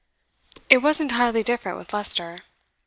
It was entirely different with Leicester.